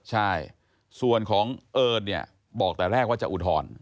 ใช่ส่วนของเอิญเนี่ยบอกแต่แรกว่าจะอุทธรณ์